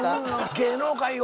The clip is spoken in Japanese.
芸能界を。